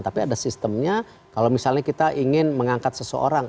tapi ada sistemnya kalau misalnya kita ingin mengangkat seseorang